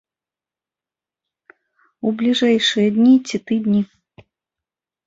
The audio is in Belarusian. У бліжэйшыя дні ці тыдні.